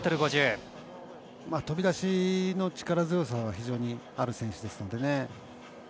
飛び出しの力強さは非常にある選手ですからね。